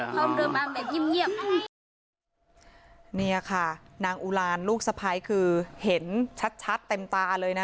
เขาเดินมาแบบเงียบเงียบเนี่ยค่ะนางอุรานลูกสะพายคือเห็นชัดชัดเต็มตาเลยน่ะ